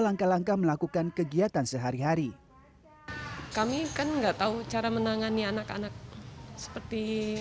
langkah langkah melakukan kegiatan sehari hari kami kan enggak tahu cara menangani anak anak seperti